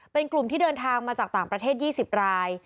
เป็นกลุ่มที่เดินทางมาจากต่างประเทศ๒๐ราย